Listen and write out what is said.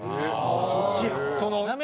そっちや。